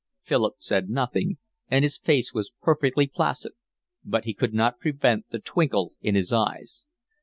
Philip said nothing, and his face was perfectly placid; but he could not prevent the twinkle in his eyes.